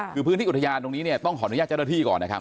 คือพื้นที่อุทยานตรงนี้เนี่ยต้องขออนุญาตเจ้าหน้าที่ก่อนนะครับ